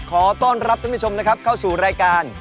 ขอต้อนรับท่านผู้ชมนะครับเข้าสู่รายการ